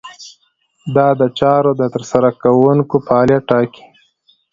دا د چارو د ترسره کوونکو فعالیت ټاکي.